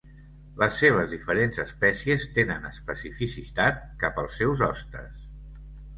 Les seves diferents espècies tenen especificitat cap als seus hostes.